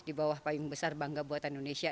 di bawah payung besar bangga buatan indonesia